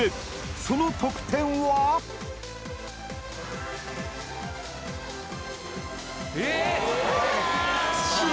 その得点は？あっ！